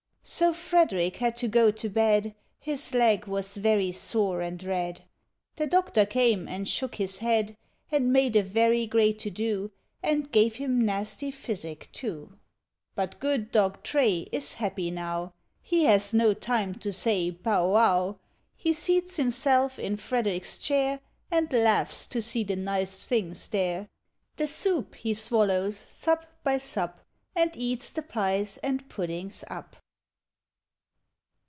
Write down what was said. So Frederick had to go to bed ; His leg was very sore and red! The Doctor came and shook his head, And made a very great to do. And gave him nasty physic too. Digitized by Google FUX FOR LITTLE FOLK. 171 liut good dog Tray is happy now ; He has no time to sav u Bow wow! " He seats himself in Frederick's chair, And laughs to see the nice things there: The soup he swallows sup by sup. And eats the pies and puddings up.